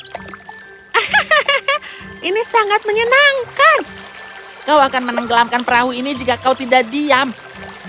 hahaha ini sangat menyenangkan kau akan menenggelamkan perahu ini jika kau tidak diam duduklah dan biarkan aku daya